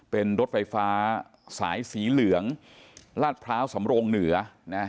เป็นรถไฟฟ้าสายสีเหลืองลาดพร้าวสำโรงเหนือนะ